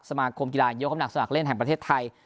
สมาคมกีฬายกน้ำหนักสมัครเล่นแห่งประเทศไทย